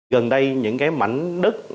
gần đây những cái mảnh đất